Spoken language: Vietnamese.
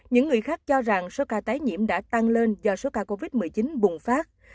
những người khác cho rằng số ca tái nhiễm đã tăng lên do số ca covid một mươi chín bùng phát